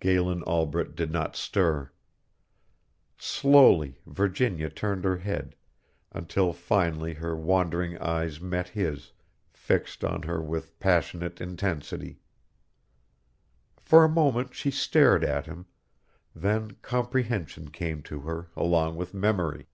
Galen Albret did not stir. Slowly Virginia turned her head, until finally her wandering eyes met his, fixed on her with passionate intensity. For a moment she stared at him, then comprehension came to her along with memory.